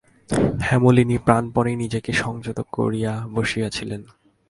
হেমনলিনী প্রাণপণে নিজেকে সংযত করিয়া বসিয়াছিল।